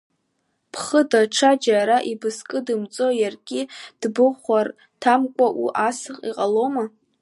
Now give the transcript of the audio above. Бхы даҽа џьара ибызкыдымҵо, иаргьы дбыхәарҭамкәа, ас иҟалома.